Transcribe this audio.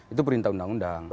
itu perintah undang undang